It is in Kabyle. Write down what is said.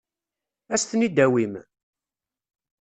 Ad as-ten-id-tawim?